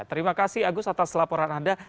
terima kasih agus atas laporan anda